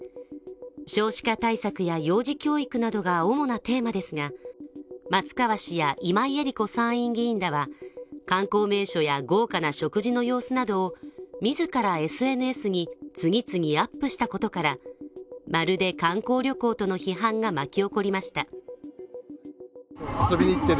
少子化対策や幼児教育などが主なテーマですが、松川氏や今井絵理子参院議員らは観光名所や豪華な食事の様子などを自らＳＮＳに次々アップしたことからまるで観光旅行との批判が巻き起こりました。